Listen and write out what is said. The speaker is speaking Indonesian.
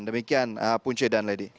demikian buce dan ledi